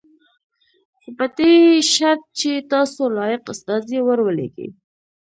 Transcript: خو په دې شرط چې تاسو لایق استازی ور ولېږئ.